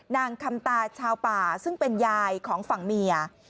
นางคำตาชาวป่าซึ่งเป็นยายของฝั่งเมีย